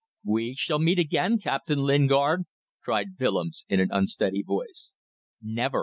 "We shall meet again, Captain Lingard!" cried Willems, in an unsteady voice. "Never!"